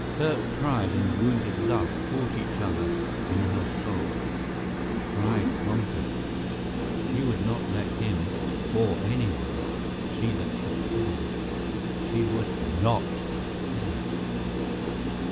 Hurt pride and wounded love fought each other in her soul. Pride conquered. She would not let him, or anyone, see that she cared. She would not care!